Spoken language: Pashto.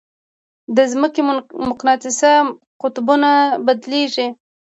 د ځمکې مقناطیسي قطبونه بدلېږي.